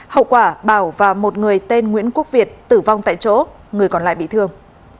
hậu quả bảo và một người tên nguyễn quốc việt tử vong tại chỗ người còn lại bị thương